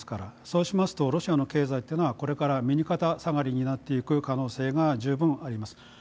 そうしますとロシアの経済っていうのはこれから右肩下がりになっていく可能性が十分あります。